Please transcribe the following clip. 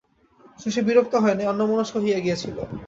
শশী বিরক্ত হয় নাই, অন্যমনস্ক হইয়া গিয়াছিল।